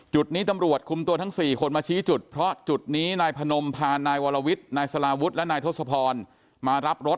จุดนี้ตำรวจคุมตัวทั้ง๔คนมาชี้จุดเพราะจุดนี้นายพนมพานายวรวิทย์นายสลาวุฒิและนายทศพรมารับรถ